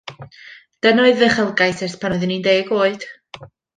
Dyna oedd fy uchelgais ers pan oeddwn i'n ddeg oed.